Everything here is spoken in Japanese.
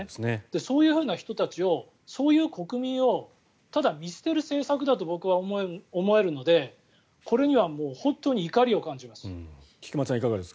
そういう人たちをそういう国民をただ見捨てる政策だと僕は思えるのでこれにはもう、本当に怒りを感じます。